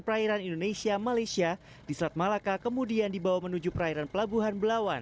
perairan indonesia malaysia di selat malaka kemudian dibawa menuju perairan pelabuhan belawan